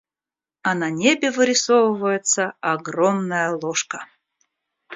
А на небе вырисовывается огромная ложка.